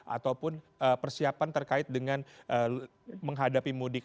ataupun persiapan terkait dengan menghadapi mudik